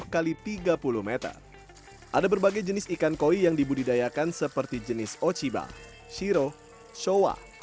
kali tiga puluh m ada berbagai jenis ikan koi yang dibudidayakan seperti jenis ociba shiro showa